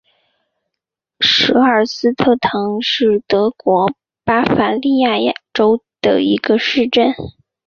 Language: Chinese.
舍尔斯特滕是德国巴伐利亚州的一个市镇。